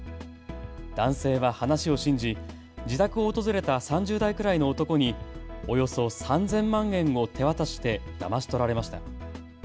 男性は話を信じ自宅を訪れた３０代くらいの男におよそ３０００万円を手渡してだまし取られました。